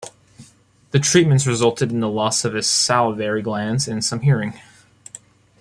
The treatments resulted in the loss of his salivary glands and some hearing.